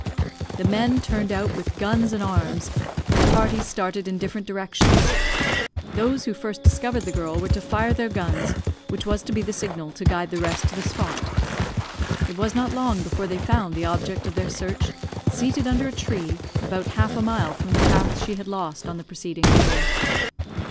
"The men turned out with guns and arms, and parties started in different directions. Those who first discovered the girl were to fire their guns, which was to be the signal to guide the rest to the spot. It was not long before they found the object of their search seated under a tree, about half a mile from the path she had lost on the preceding day.